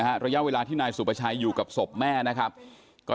ระยะเวลาที่นายสุประชัยอยู่กับศพแม่นะครับก็